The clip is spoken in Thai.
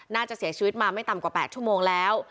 น่าจะเสียชีวิตมาไม่ต่ำกว่า๘ชั่วโมงแล้ว